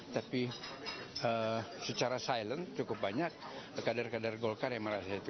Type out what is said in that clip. tapi secara silent cukup banyak kader kader golkar yang merasa itu